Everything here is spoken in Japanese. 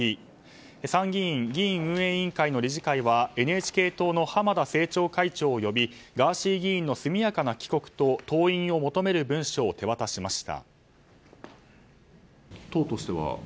参議院議院運営委員会の理事会はＮＨＫ党の浜田政調会長を呼びガーシー議員の速やかな帰国と登院を求める文書を手渡しました。